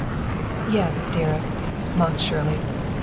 "Yes, dearest," mocked Shirley.